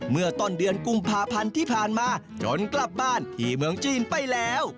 เมื่อต้นเดือนกุมภาพันธ์ที่ผ่านมาจนกลับบ้านที่เมืองจีนไปแล้ว